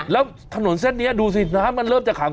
แล้วถนนเส้นนี้ดูสิน้ำมันเริ่มจะขัง